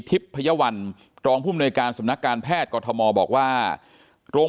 ทิพย์พยาวรรณตรองผู้มนุยการสำนักการแพทย์กอทมบอกว่าโรง